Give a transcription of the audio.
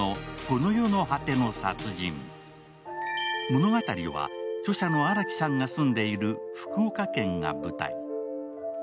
物語は、著者の荒木さんが住んでいる福岡県が舞台。